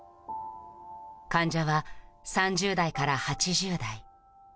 患者は３０代から８０代。